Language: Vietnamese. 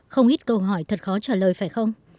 không ít câu hỏi thật khó trả lời phải không